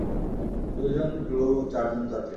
দুইজন ক্রু, চারজন যাত্রী।